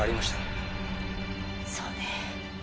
そうね。